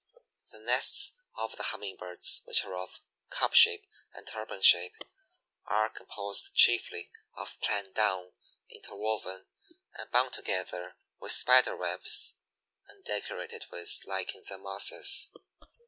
The nests of the Humming birds are of cup shape and turban shape, are composed chiefly of plant down, interwoven and bound together with Spider webs, and decorated with lichens and mosses.